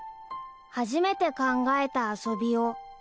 ［初めて考えた遊びを］